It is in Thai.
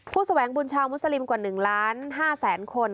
ผู้แสวงบุญชาวมุสลิมกว่า๑๕๐๐๐๐๐คน